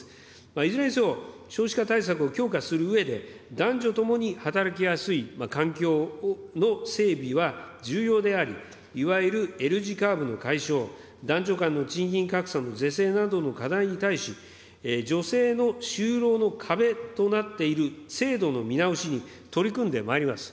いずれにせよ、少子化対策を強化するうえで、男女ともに働きやすい環境の整備は重要であり、いわゆるＬ字カーブの解消、男女間の賃金格差の是正などの課題に対し、女性の就労の壁となっている制度の見直しに取り組んでまいります。